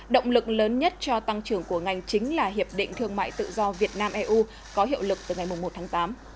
động lực lớn nhất cho tăng trưởng của ngành chính là hiệp định thương mại tự do việt nam eu có hiệu lực từ ngày một tháng tám